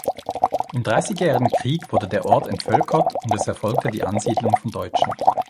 Im Dreißigjährigen Krieg wurde der Ort entvölkert, und es erfolgte die Ansiedlung von Deutschen.